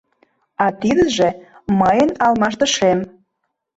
А тидыже — мыйын алмаштышем.